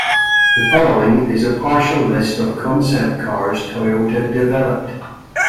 The following is a partial list of concept cars Toyota developed.